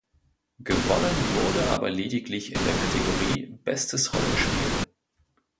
Gewonnen wurde aber lediglich in der Kategorie „Bestes Rollenspiel“.